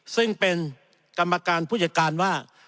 ซึ่งเป็นกรรมการผู้จัดการว่า